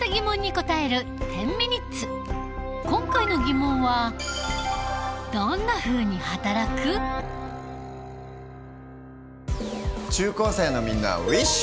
今回の疑問は中高生のみんなウィッシュ！